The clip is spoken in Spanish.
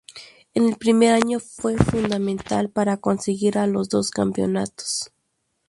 En el primer año fue fundamental para conseguir los dos campeonatos.